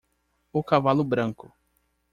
O cavalo branco.